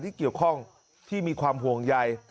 ที่เกี่ยวข้องที่มีความห่วงใย